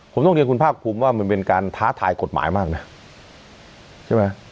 ผมต้องเรียนคุณภาคภูมิว่ามันเป็นการท้าทายกฎหมายมากนะใช่ไหม